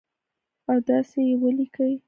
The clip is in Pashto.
او داسي یې ولیکئ